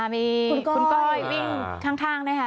มีบิ๊สกล้อยค่ะ